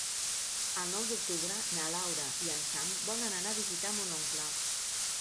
El nou d'octubre na Laura i en Sam volen anar a visitar mon oncle.